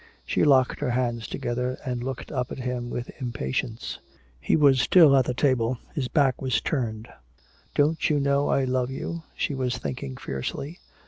She locked her hands together and looked up at him with impatience. He was still at the table, his back was turned. "Don't you know I love you?" she was thinking fiercely.